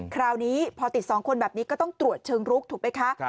คราวนี้พอติด๒คนแบบนี้ก็ต้องตรวจเชิงลุกถูกไหมคะ